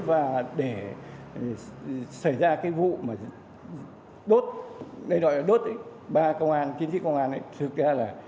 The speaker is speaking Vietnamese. và để xảy ra cái vụ mà đốt đây gọi là đốt ý